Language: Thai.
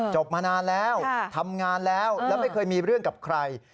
มานานแล้วทำงานแล้วแล้วไม่เคยมีเรื่องกับใคร